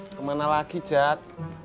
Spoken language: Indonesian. kemana lagi jad